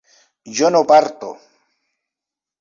yo no parto